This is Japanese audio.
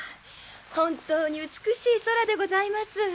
本当に美しい空でございます。